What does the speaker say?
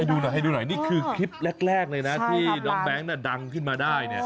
ให้ดูหน่อยให้ดูหน่อยนี่คือคลิปแรกแรกหนึ่งน่ะที่น้องแบ๊งนะดังขึ้นมาได้เนี่ย